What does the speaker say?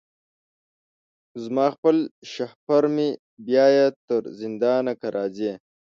زما خپل شهپر مي بیايي تر زندانه که راځې